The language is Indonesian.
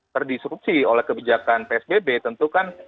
terdisrupsi oleh kebijakan psbb tentu kan